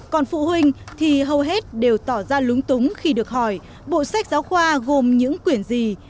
còn phụ huynh thì hầu hết đều tỏ ra lúng túng khi được hỏi bộ sách giáo khoa gồm những quyển gì